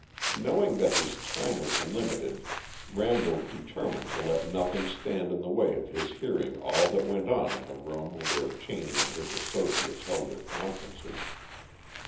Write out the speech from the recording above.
Knowing that his time was limited, Randall determined to let nothing stand in the way of his hearing all that went on in the room where Cheney and his associates held their conferences.